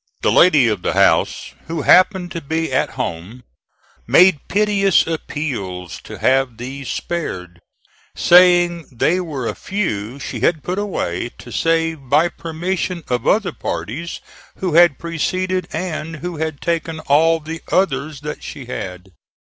The lady of the house, who happened to be at home, made piteous appeals to have these spared, saying they were a few she had put away to save by permission of other parties who had preceded and who had taken all the others that she had.